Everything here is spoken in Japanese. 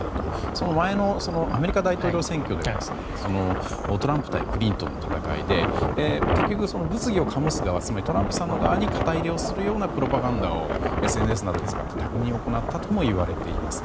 その前のアメリカ大統領選挙でもトランプ対クリントンの戦いで結局、物議を醸す側つまりトランプさんの側に肩入れをするようなプロパガンダをＳＮＳを通じて巧みに行ったともいわれています。